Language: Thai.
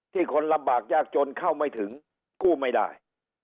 คนลำบากยากจนเข้าไม่ถึงกู้ไม่ได้